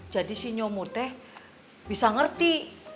jadi si nyomut teh bisa ngerti